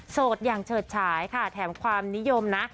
อย่างเฉิดฉายค่ะแถมความนิยมนะ